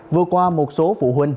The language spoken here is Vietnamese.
vừa qua một số phụ huynh